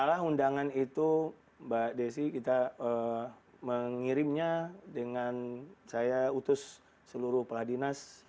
malah undangan itu mbak desi kita mengirimnya dengan saya utus seluruh peladinas